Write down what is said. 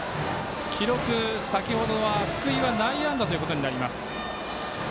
記録、先ほどは福井は内野安打ということになります。